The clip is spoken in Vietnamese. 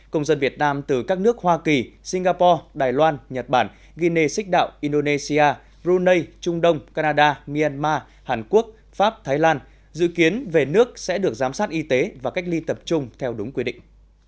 công dân việt nam từ các nước hoa kỳ singapore đài loan nhật bản guinea sích đạo indonesia brunei trung đông canada myanmar hàn quốc pháp thái lan dự kiến về nước sẽ được giám sát y tế và cách ly tập trung theo đúng quy định